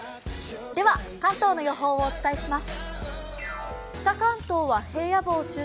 では関東の予報をお伝えします。